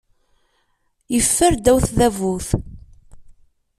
Yeffer ddaw tdabut.